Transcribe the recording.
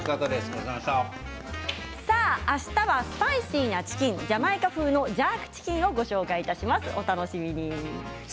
あしたはスパイシーなチキンジャマイカ風のジャークチキンをご紹介いたします。